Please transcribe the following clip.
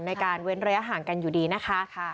เว้นระยะห่างกันอยู่ดีนะคะ